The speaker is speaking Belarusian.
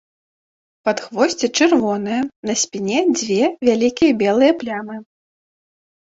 Падхвосце чырвонае, на спіне дзве вялікія белыя плямы.